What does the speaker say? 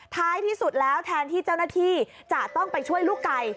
ท้ายที่สุดแล้วแทนที่เจ้าหน้าที่จะต้องไปช่วยลูกไก่